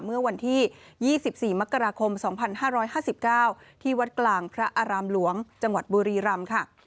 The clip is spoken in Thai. เมื่อวันที่๒๔มกราคม๒๕๕๙ที่วัดกลางพระอารามหลวงจังหวัดบุรีรำค่ะ